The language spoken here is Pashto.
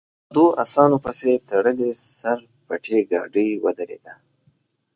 پر دوو اسانو پسې تړلې سر پټې ګاډۍ ودرېده.